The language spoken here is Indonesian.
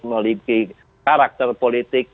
memiliki karakter politik